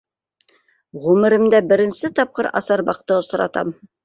Ғүмеремдә беренсе тапҡыр асарбаҡты осратам.